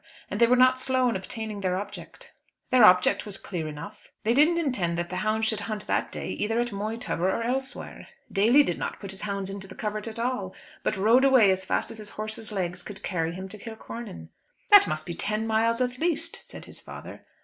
And they were not slow in obtaining their object." "Their object was clear enough." "They didn't intend that the hounds should hunt that day either at Moytubber or elsewhere. Daly did not put his hounds into the covert at all; but rode away as fast as his horse's legs could carry him to Kilcornan." "That must be ten miles at least," said his father.